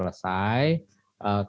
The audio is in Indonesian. kami sudah selesai